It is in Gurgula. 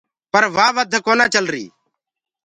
پر وآ وڌ ڪونآ چلري۔